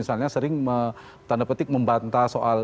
sering tanda petik membanta soal